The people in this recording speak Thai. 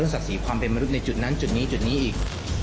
สักสีความเป็นมนุษย์ในจุดนี้จุดนี้อีก